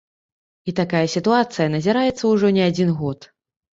І такая сітуацыя назіраецца ўжо не адзін год.